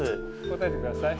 答えてください。